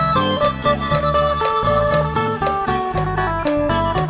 โชว์ฮีตะโครน